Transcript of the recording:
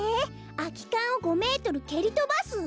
「空き缶を５メートル蹴りとばす」？